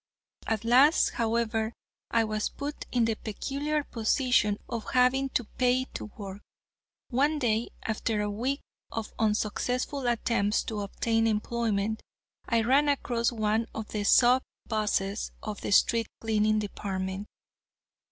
At last, however, I was put in the peculiar position of having to pay to work. One day, after a week of unsuccessful attempts to obtain employment, I ran across one of the sub bosses of the street cleaning department.